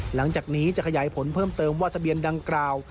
หลังจากนี้จะขยายผลเพิ่มเติมว่าทะเบียนดังกล่าว